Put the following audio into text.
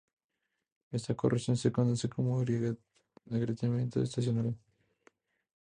Esta corrosión se conoce como agrietamiento estacional.